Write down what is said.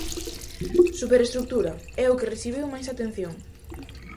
"Superestrutura" é o que recibiu máis atención.